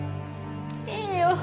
いいよ。